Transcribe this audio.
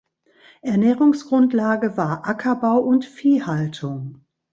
Ernährungsgrundlage war Ackerbau und Viehhaltung.